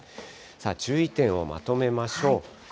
さあ、注意点をまとめましょう。